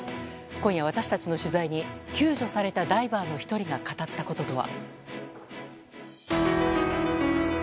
今夜、私たちの取材に救助されたダイバーの１人が語ったこととは。